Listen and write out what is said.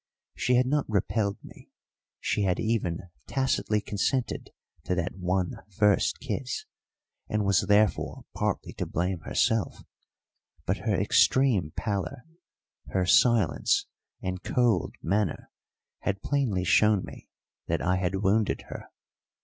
She had not repelled me, she had even tacitly consented to that one first kiss, and was therefore partly to blame herself; but her extreme pallor, her silence, and cold manner had plainly shown me that I had wounded her.